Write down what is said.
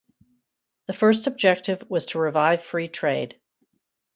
The first objective was to revive free trade.